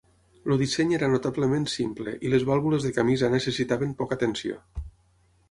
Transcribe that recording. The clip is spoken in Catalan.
El disseny era notablement simple, i les vàlvules de camisa necessitaven poca atenció.